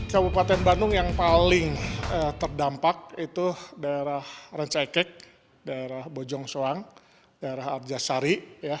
kabupaten bandung yang paling terdampak itu daerah rancaikek daerah bojong soang daerah arjasari